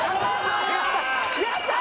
やったー！